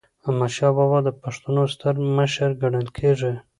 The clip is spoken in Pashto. احمدشاه بابا د پښتنو ستر مشر ګڼل کېږي.